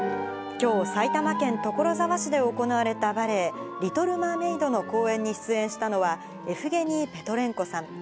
きょう埼玉県所沢市で行われたバレエ、リトルマーメイドの公演に出演したのは、エフゲニー・ペトレンコさん。